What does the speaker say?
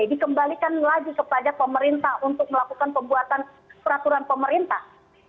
dikembalikan lagi kepada pemerintah untuk melakukan pembuatan peraturan pemerintah